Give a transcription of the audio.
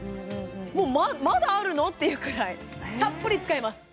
もうまだあるの！？っていうくらいたっぷり使えます